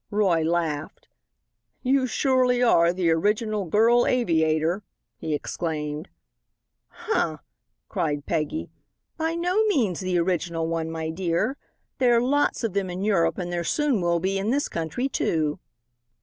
Roy laughed. "You surely are the original Girl Aviator," he exclaimed. "Huh!" cried Peggy, "by no means the original one, my dear. There are lots of them in Europe and there soon will be in this country, too."